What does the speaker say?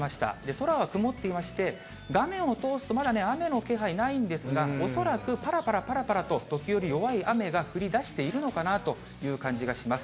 空は曇っていまして、画面を通すと、まだね、雨の気配、ないんですが、恐らくぱらぱらぱらぱらと時折弱い雨が降りだしているのかなという感じがします。